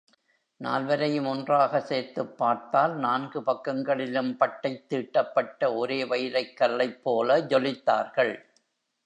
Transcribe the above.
நால்வரையும் ஒன்றாக சேர்த்துப் பார்த்தால் நான்கு பக்கங்களிலும் பட்டைத் தீட்டப்பட்ட ஒரே வைரக் கல்லைப்போல ஜொலித்தார்கள்.